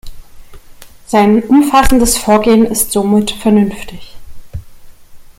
Sein umfassendes Vorgehen ist somit vernünftig.